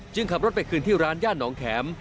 เพิ่งที่ร้านย่านน้องแข็ม